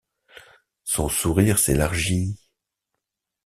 Son sourire s’élargit.